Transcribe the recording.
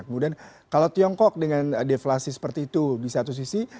kemudian kalau tiongkok dengan deflasi seperti itu di satu sisi